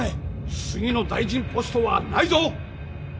次の大臣ポストはないぞ！